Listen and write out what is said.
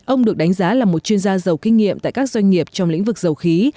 ông được đánh giá là một chuyên gia giàu kinh nghiệm tại các doanh nghiệp trong lĩnh vực dầu khí